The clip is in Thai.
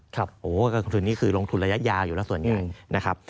การลงทุนนี้คือลงทุนระยะยาวอยู่แล้วส่วนใหญ่นะครับ